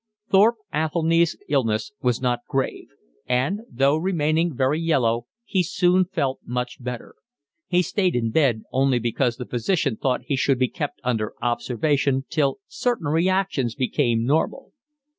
Thorpe Athelny's illness was not grave, and, though remaining very yellow, he soon felt much better: he stayed in bed only because the physician thought he should be kept under observation till certain reactions became normal.